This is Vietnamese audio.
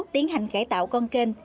tiến hành cải tạo con kênh